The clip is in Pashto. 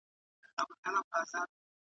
فساد د بشریت دښمن دی.